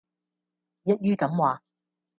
一於噉話